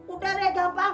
udara ya gampang